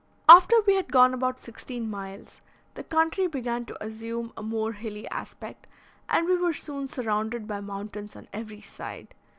After we had gone about sixteen miles, the country began to assume a more hilly aspect, and we were soon surrounded by mountains on every side.